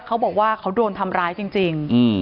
เขาบอกว่าเขาโดนทำร้ายจริง